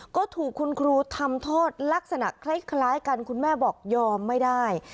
ก็ถูกคุณครูทำโทษลักษณะคล้ายกันคุณแม่บอกยอมไม่ได้